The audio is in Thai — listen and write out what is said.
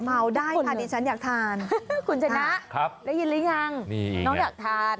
เมาได้ค่ะดิฉันอยากทานคุณชนะได้ยินหรือยังนี่น้องอยากทาน